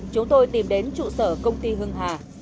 chúng tôi tìm đến trụ sở công ty hưng hà